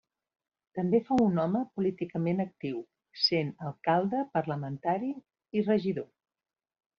També fou un home políticament actiu, sent alcalde, parlamentari, i regidor.